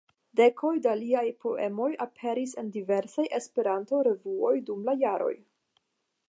Dekoj da liaj poemoj aperis en diversaj Esperanto-revuoj dum la jaroj.